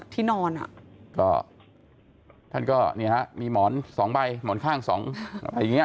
ท่านนี่มีหมอนที่๒ใบหมอนที่คั่งอีก๒